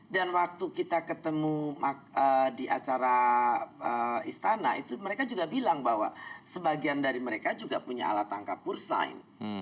dan waktu kita ketemu di acara istana mereka juga bilang bahwa sebagian dari mereka juga punya alat tangkap pursain